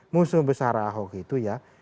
musuh besar ahok itu ya